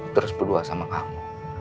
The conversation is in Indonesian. terus berdua sama kamu